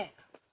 pesan tren anur